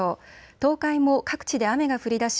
東海も各地で雨が降りだし